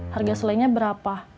harga selenya berapa